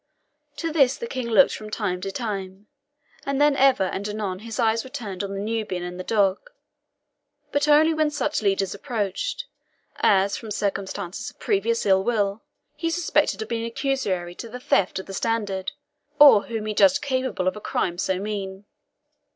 To this the King looked from time to time; and then ever and anon his eyes were turned on the Nubian and the dog, but only when such leaders approached, as, from circumstances of previous ill will, he suspected of being accessory to the theft of the standard, or whom he judged capable of a crime so mean.